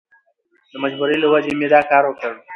د مجبورۍ له وجهې مې دا کار وکړ.